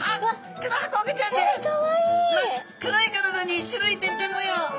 真っ黒い体に白い点々模様。